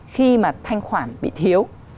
khi mà thanh khoản bị thiếu